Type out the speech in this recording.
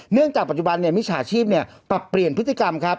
จากปัจจุบันมิจฉาชีพปรับเปลี่ยนพฤติกรรมครับ